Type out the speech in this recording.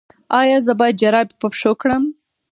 ایا زه باید جرابې په پښو کړم؟